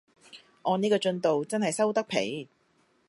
按呢個進度真係收得皮